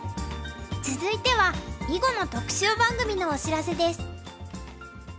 続いては囲碁の特集番組のお知らせです。